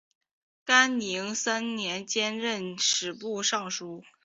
干宁三年兼任吏部尚书。